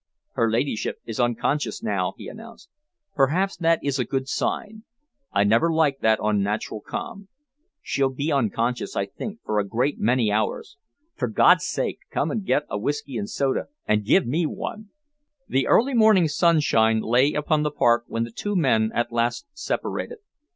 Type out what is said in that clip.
"Her ladyship is unconscious now," he announced. "Perhaps that is a good sign. I never liked that unnatural calm. She'll be unconscious, I think, for a great many hours. For God's sake, come and get a whisky and soda and give me one!" The early morning sunshine lay upon the park when the two men at last separated.